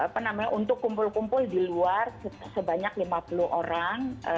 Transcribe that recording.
jadi tanggal enam mei ini dibuka untuk kumpul kumpul di luar sebanyak lima puluh orang